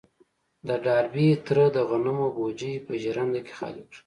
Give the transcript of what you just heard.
د ډاربي تره د غنمو بوجۍ په ژرنده کې خالي کړه.